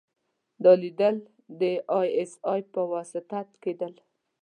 دا ليدل د ای اس ای په وساطت کېدل.